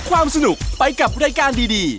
ความสนุกไปกับรายการดี